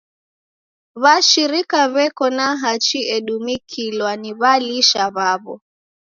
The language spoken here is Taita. W'ashirika w'eko na hachi edumikilwa ni w'alisha w'aw'o.